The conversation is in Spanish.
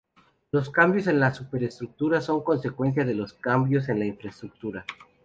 Los cambios en la superestructura son consecuencia de los cambios en la infraestructura.